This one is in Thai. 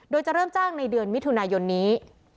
โดยจะเริ่มจ้างในเดือนมิถุนายนนี้